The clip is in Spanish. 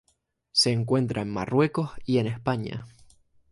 Se encuentra en Marruecos y España.